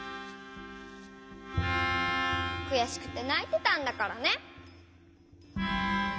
くやしくてないてたんだからね。